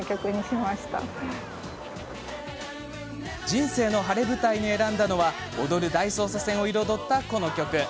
人生の晴れ舞台に選んだのは「踊る大捜査線」を彩ったこの曲。